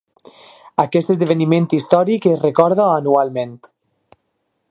Aquest esdeveniment històric es recorda anualment.